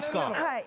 はい。